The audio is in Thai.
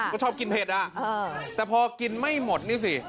ก็ชอบกินเผ็ดอ่ะแต่พอกินไม่หมดนี่สิ